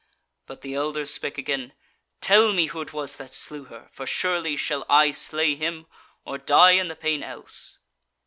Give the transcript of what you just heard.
But the elder spake again: "Tell me who it was that slew her, for surely shall I slay him, or die in the pain else."